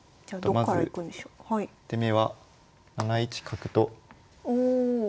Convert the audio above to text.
まず１手目は７一角と打ちます。